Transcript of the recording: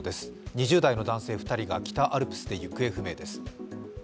２０代の男性２人が北アルプスで行方不明です。